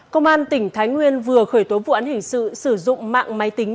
công an tỉnh thái nguyên vừa khởi tố vụ án hình sự sử dụng mạng máy tính